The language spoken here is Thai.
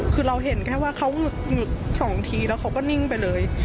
คือเราเห็นแค่ว่าเขาหึงสองทีแล้วเขาก็นิ่งไปเลย